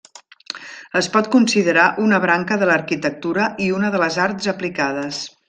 Es pot considerar una branca de l'arquitectura i una de les arts aplicades.